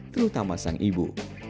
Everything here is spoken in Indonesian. terutama sang ibu